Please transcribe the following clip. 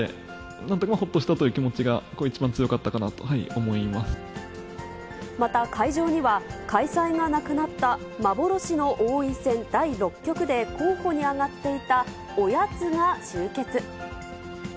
なんというか、ほっとしたという気持ちが一番強かったかなと思いまた、会場には開催がなくなった幻の王位戦第６局で候補に挙がっていたおやつが集結。